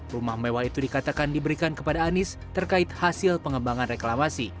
rumah mewah itu dikatakan diberikan kepada anies terkait hasil pengembangan reklamasi